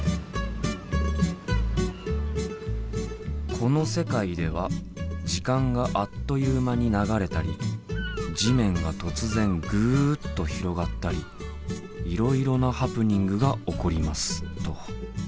「この世界では時間があっという間に流れたり地面が突然ぐっと広がったりいろいろなハプニングが起こります」と。